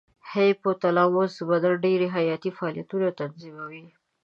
هایپو تلاموس د بدن ډېری حیاتي فعالیتونه تنظیموي.